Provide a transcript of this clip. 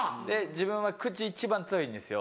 自分は口一番強いんですよ。